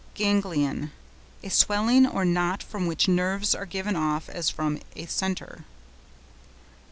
GANGLION.—A swelling or knot from which nerves are given off as from a centre.